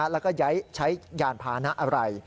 แล้วก็ใช้ยานพานะอะไร